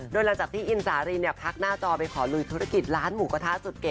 โดยหลังจากที่อินสารินพักหน้าจอไปขอลุยธุรกิจร้านหมูกระทะสุดเก๋